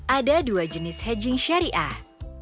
ada dua jenis hedging syariah